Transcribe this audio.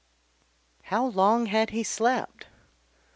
How long had he slept?